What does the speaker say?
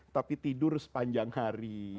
tapi tidur sepanjang hari